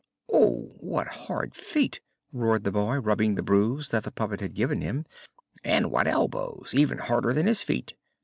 "Oh, what hard feet!" roared the boy, rubbing the bruise that the puppet had given him. "And what elbows! even harder than his feet!"